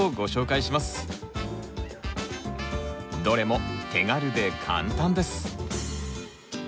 どれも手軽で簡単です！